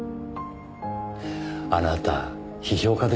あなた批評家でしたか。